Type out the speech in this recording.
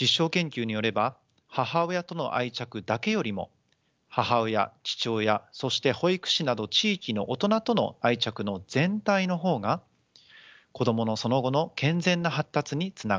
実証研究によれば母親との愛着だけよりも母親父親そして保育士など地域の大人との愛着の全体の方が子どものその後の健全な発達につながります。